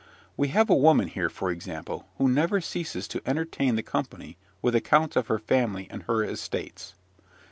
We have a woman here, for example, who never ceases to entertain the company with accounts of her family and her estates.